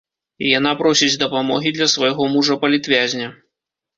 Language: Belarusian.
Яна просіць дапамогі для свайго мужа-палітвязня.